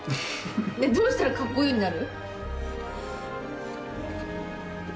ねえどうしたらかっこいいになる？